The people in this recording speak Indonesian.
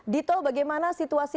dito bagaimana situasi